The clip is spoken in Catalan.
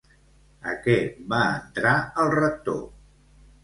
A què va entrar el Rector?